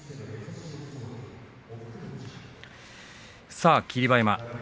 さあ霧馬山。